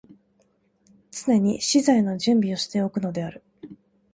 常に詩材の準備をして置くのである。